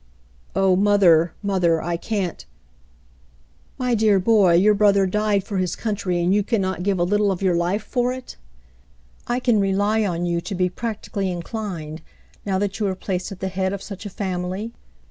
"Oh, mother, mother ! I can't —" "My dear boy, your brother died for his countr3^ and can you not give a little of your life for it ? I can rely on you to be practically inclined, now that you are placed at the head of such a family